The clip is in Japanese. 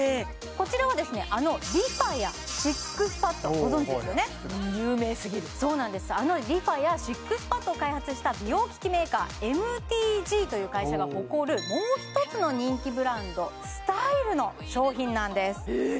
こちらはあのＲｅＦａやＳＩＸＰＡＤご存じですよね有名すぎるそうなんですあのＲｅＦａやＳＩＸＰＡＤを開発した美容機器メーカーＭＴＧという会社が誇るもう一つの人気ブランドＳｔｙｌｅの商品なんですえー